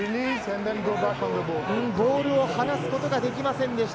ボールを離すことができませんでした。